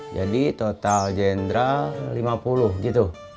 jadi total jenderal lima puluh gitu